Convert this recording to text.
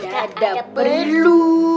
gak ada perlu